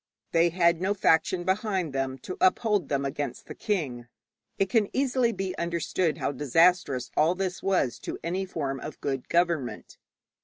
They had no faction behind them to uphold them against the king. It can easily be understood how disastrous all this was to any form of good government.